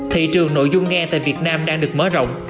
thị trường nội dung nghe tại việt nam đang được mở rộng